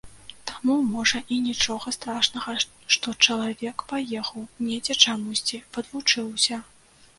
Таму, можа, і нічога страшнага, што чалавек паехаў, недзе чамусьці падвучыўся.